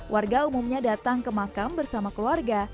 warga umumnya datang ke makam bersama keluarga